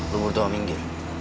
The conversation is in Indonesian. lo butuh ominggi